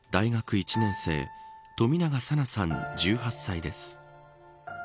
１年生冨永紗菜さん、１８歳です。